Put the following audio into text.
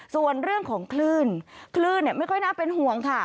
ส่วนเรื่องของคลื่นคลื่นไม่ค่อยน่าเป็นห่วงค่ะ